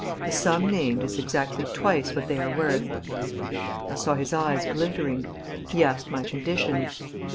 The sum named is exactly twice what they are worth.'... I saw his eyes glittering. He asked my conditions.